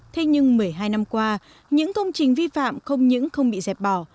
thế nhưng một mươi hai năm qua những công trình vi phạm không những không bị dẹp bỏ